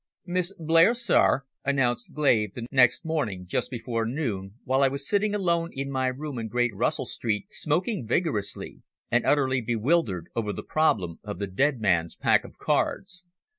"Miss Blair, sir," announced Glave next day just before noon, while I was sitting alone in my room in Great Russell Street, smoking vigorously, and utterly bewildered over the problem of the dead man's pack of cards.